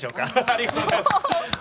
ありがとうございます。